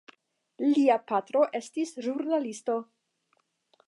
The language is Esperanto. Lia patro estis ĵurnalisto.